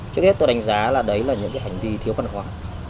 trước hết tôi đánh giá là đấy là những cái hành vi thiếu văn hóa